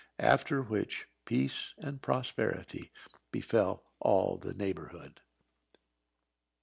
After which peace and prosperity befell all the neighbourhood.